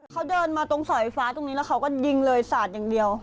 เขาเดินมาตรงสายไฟฟ้าตรงนี้แล้วเขาก็ยิงเลยสาดอย่างเดียว